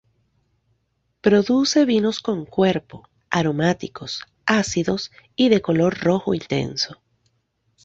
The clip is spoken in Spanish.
Produce vinos con cuerpo, aromáticos, ácidos y de color rojo intenso.